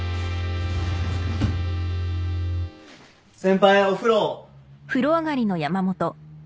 先輩お風呂。